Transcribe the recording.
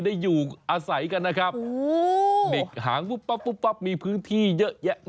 ได้อยู่อาศัยกันนะครับ